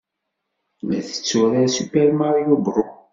La tetturar Super Mario Bros.